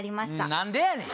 何でやねん！